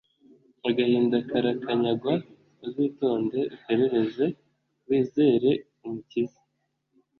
agahinda karakanyagwa, uzitonde uperereze wizere umukiza